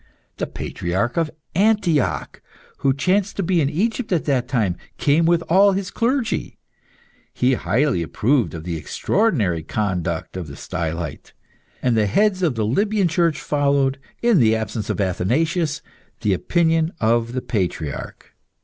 The Patriarch of Antioch, who chanced to be in Egypt at that time, came with all his clergy. He highly approved of the extraordinary conduct of the stylite, and the heads of the Libyan Church followed, in the absence of Athanasius, the opinion of the Patriarch.